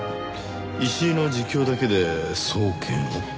石井の自供だけで送検を？